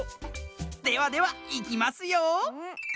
ではではいきますよ。